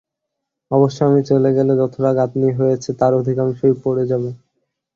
অবশ্য আমি চলে গেলে যতটা গাঁথনি হয়েছে, তার অধিকাংশই পড়ে যাবে।